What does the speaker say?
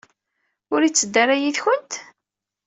Ur yetteddu ara yid-kent?